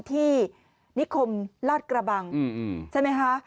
ที่นิคมลาดกระบังใช่ไหมคะ